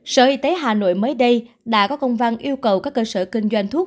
sở y tế hà nội mới đây đã có công văn yêu cầu các cơ sở kinh doanh thuốc